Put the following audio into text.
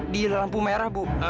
di lampu merah bu